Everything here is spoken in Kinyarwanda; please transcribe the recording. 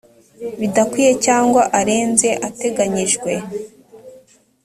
bidakwiye cyangwa arenze ateganyijwe